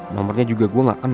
nomornya juga gue gak kenal